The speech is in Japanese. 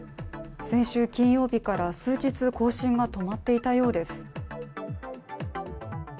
先週金曜日から数日、更新が止まっていたようです。